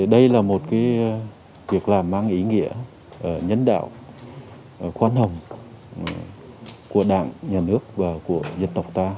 đây là một việc làm mang ý nghĩa nhân đạo khoan hồng của đảng nhà nước và của dân tộc ta